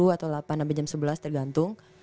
sepuluh atau delapan sampai jam sebelas tergantung